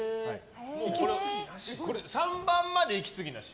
３番まで息継ぎなし？